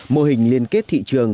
mô hình liên kết thị trường